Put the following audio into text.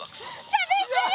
しゃべってる！